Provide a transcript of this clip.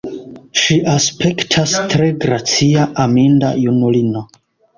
Ŝi aspektas tre gracia, aminda junulino.